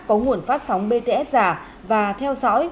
có nguồn phát sóng bts giả và theo dõi